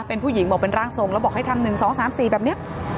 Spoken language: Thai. เป็นผู้หญิงบอกเป็นร่างทรงแล้วบอกให้ทำหนึ่งสองสามสี่แบบเนี้ย